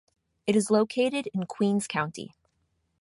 It is located in Queens County.